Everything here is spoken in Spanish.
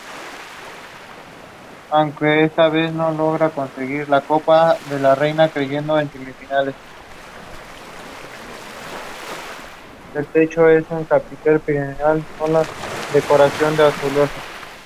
Su padre fue profesor de escuela y su madre una pequeña comerciante.